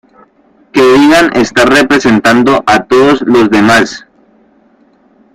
que digan estar representando a todos los demás